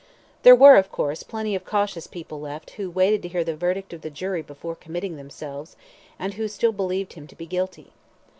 There were, of course, plenty of cautious people left who waited to hear the verdict of the jury before committing themselves, and who still believed him to be guilty.